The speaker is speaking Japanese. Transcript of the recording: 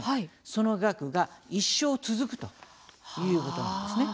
その額が一生続くということなんですね。